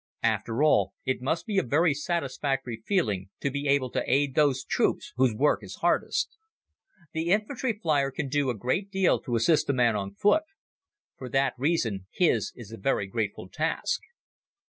After all, it must be a very satisfactory feeling to be able to aid those troops whose work is hardest. The infantry flier can do a great deal to assist the man on foot. For that reason his is a very grateful task.